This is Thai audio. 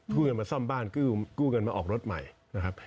ช่วยกันมาซ่อมบ้านกู้เงินมาออกรถใหม่นะครับ